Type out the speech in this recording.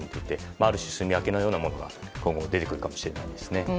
ある種、すみわけのようなものが出てくるかもしれないですね。